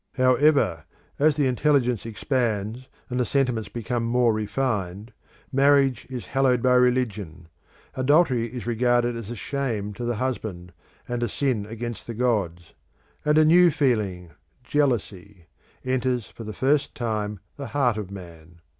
However, as the intelligence expands and the sentiments become more refined, marriage is hallowed by religion; adultery is regarded as a shame to the husband, and a sin against the gods; and a new feeling Jealousy enters for the first time the heart of man.